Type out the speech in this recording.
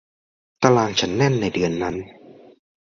ตารางฉันแน่นในเดือนนั้น